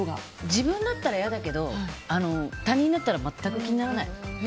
自分だったら嫌だけど他人だったら全く気にならない。